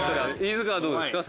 飯塚はどうですか？